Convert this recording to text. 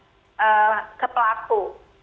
jadi ini adalah bentuk pelaku